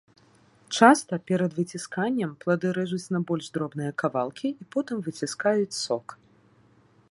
Часта, перад выцісканнем, плады рэжуць на больш дробныя кавалкі і потым выціскаюць сок.